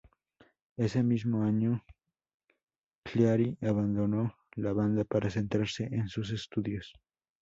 Ese mismo año, Cleary abandonó la banda para centrarse en sus estudios.